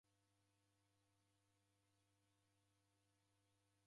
Waw'adia Kiw'onu.